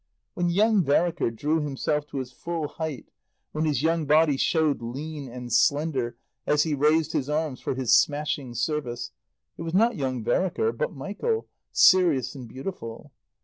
When young Vereker drew himself to his full height, when his young body showed lean and slender as he raised his arms for his smashing service, it was not young Vereker, but Michael, serious and beautiful.